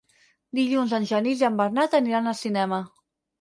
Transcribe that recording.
Dilluns en Genís i en Bernat aniran al cinema.